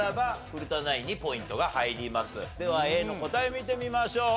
ではＡの答え見てみましょう。